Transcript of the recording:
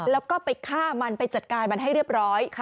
แล้วก็ไปฆ่ามันไปจัดการมันให้เรียบร้อย